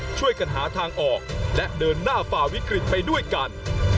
ช่วยกันหาทางออกและเดินหน้าฝ่าวิกฤตไปด้วยกัน